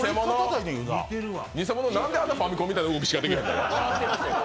にせもの、なんであんなファミコンみたいな動きしかできへんの？